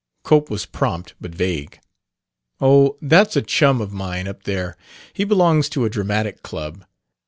Cope was prompt, but vague. "Oh, that's a chum of mine, up there. He belongs to a dramatic club.